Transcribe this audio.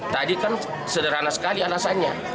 tadi kan sederhana sekali alasannya